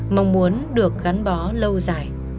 mong muốn được gắn bó lâu dài